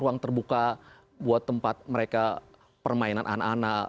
ruang terbuka buat tempat mereka permainan anak anak